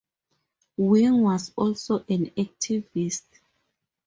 Wing was also an activist.